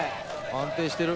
安定してる。